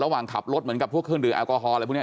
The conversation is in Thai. ระหว่างขับรถเหมือนกับพวกเครื่องดื่แอลกอฮอล์อะไรพวกนี้